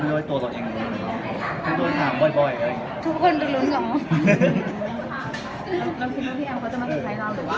หรือว่าเขาจะมาคุยกับเราก่อนนะ